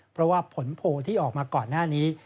เพราะว่าผลโพลที่ออกมาก่อนหน้านี้